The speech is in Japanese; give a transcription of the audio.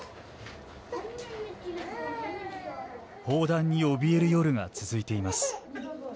砲弾におびえる夜が続いています。